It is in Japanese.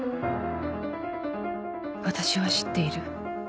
私は知っている